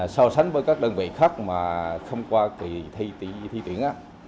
sau sánh với các đơn vị khác mà không qua thị thi tuyển